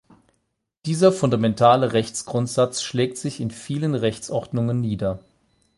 Dieser fundamentale Rechtsgrundsatz schlägt sich in vielen Rechtsordnungen nieder.